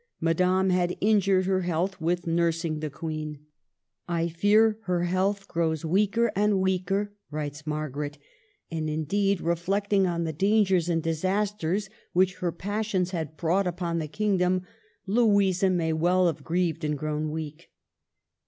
Madame had injured her health with nursing the Queen. " I fear her health grows weaker and weaker," writes Margaret. And indeed, reflecting on the dangers and disasters which her passions had brought upon the kingdom, Louisa may well have grieved and grown weak.